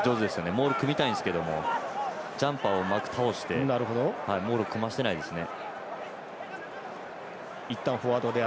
モール組みたいんですけどジャンパーをうまく倒してモールを組ませてないですね。